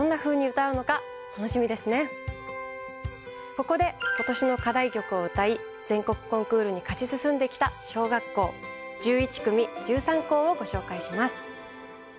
ここで今年の課題曲を歌い全国コンクールに勝ち進んできた小学校１１組１３校をご紹介します。